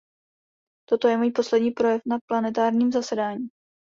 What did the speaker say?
Toto je můj poslední projev na plenárním zasedání.